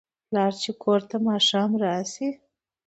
پلار چې کور ته ماښام راشي